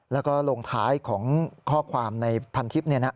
แล้วก็ลงท้ายของข้อความในพันทิพย์เนี่ยนะ